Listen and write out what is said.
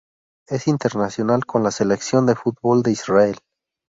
Es internacional con la selección de fútbol de Israel.